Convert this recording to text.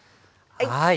はい。